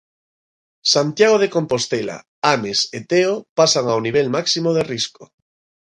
Santiago de Compostela, Ames e Teo pasan ao nivel máximo de risco.